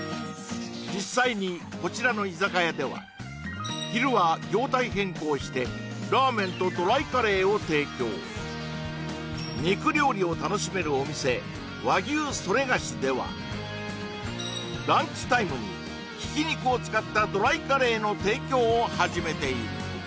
実際にこちらの居酒屋では昼は業態変更してラーメンとドライカレーを提供肉料理を楽しめるお店ではランチタイムに挽き肉を使ったドライカレーの提供を始めている